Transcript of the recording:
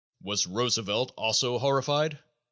Was Roosevelt also "horrified"?